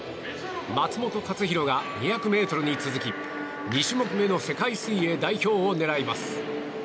松元克央が２００ｍに続き２種目めの世界水泳代表を狙います。